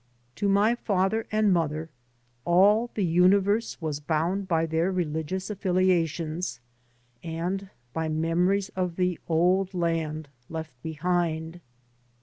To my father and mother all the universe was bound by their religious affiliations and by memories of the old land left behind.